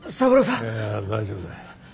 いや大丈夫だよ。